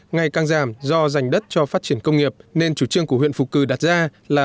ngày càng giảm do dành đất cho phát triển công nghiệp nên chủ trương của huyện phù cử đặt ra là